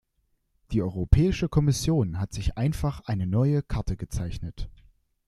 Die Europäische Kommission hat sich einfach eine neue Karte gezeichnet.